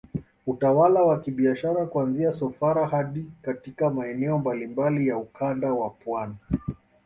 Utawala wa kibiashara kuanzia Sofara hadi katika maeneo mbalimbali ya Ukanda wa Pwani